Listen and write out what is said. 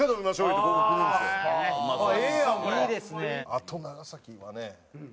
あと長崎はね